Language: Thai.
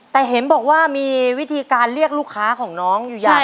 แต่เห็นบอกว่ามีวิธีการเรียกลูกค้าของน้องอยู่ใหญ่